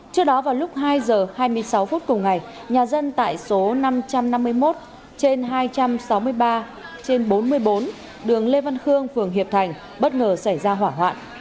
trước đó vào lúc hai h hai mươi sáu phút cùng ngày nhà dân tại số năm trăm năm mươi một trên hai trăm sáu mươi ba trên bốn mươi bốn đường lê văn khương phường hiệp thành bất ngờ xảy ra hỏa hoạn